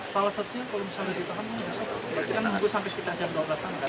salah satunya kalau misalnya ditahan kan sampai kita jam dua belas an